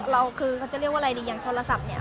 เราคือเขาจะเรียกว่าอะไรดีอย่างโทรศัพท์เนี่ย